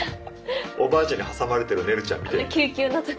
おばあちゃんに挟まれてるねるちゃん見てみたい。